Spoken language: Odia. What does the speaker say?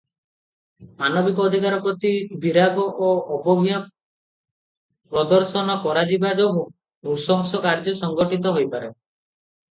ମାନବିକ ଅଧିକାର ପ୍ରତି ବିରାଗ ଓ ଅବଜ୍ଞା ପ୍ରଦର୍ଶନ କରାଯିବା ଯୋଗୁଁ ନୃଶଂସ କାର୍ଯ୍ୟ ସଂଘଟିତ ହୋଇପାରେ ।